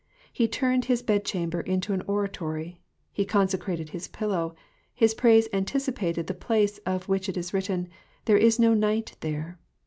He turned his bedchamber into an oratory, he consecrated his pillow, his praise anticipated the place of which it is written, There is no night there."